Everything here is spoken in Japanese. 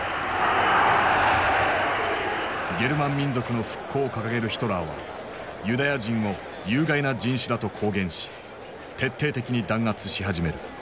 ゲルマン民族の復興を掲げるヒトラーはユダヤ人を「有害な人種」だと公言し徹底的に弾圧し始める。